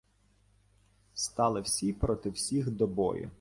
Стали всі проти всіх до бою